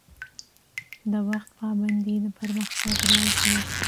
د وخت پابندي د پرمختګ راز دی